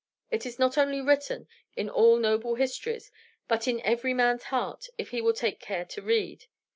It is not only written in all noble histories, but in every man's heart, if he will take care to read.